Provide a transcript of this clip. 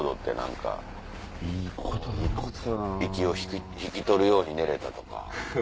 息を引き取るように寝れたとか。